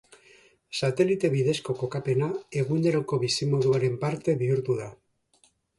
Satelite bidezko kokapena eguneroko bizimoduaren parte bihurtu da.